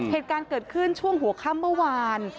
เหตุการณ์เกิดขึ้นช่วงหัวค่ำเมื่อวาน